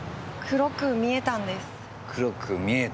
黒く見えたですか。